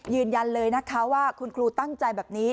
ยืนยันเลยนะคะว่าคุณครูตั้งใจแบบนี้